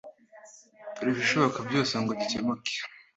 dore ibishoboka byose ngo gikemuke